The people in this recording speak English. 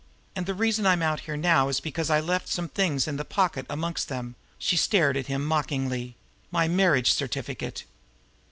And the reason I'm out here now is because I left some things in the pocket, amongst them" she stared at him mockingly "my marriage certificate."